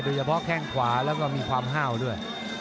โดยเฉพาะแข้งขวาและมีความห้าวด้วย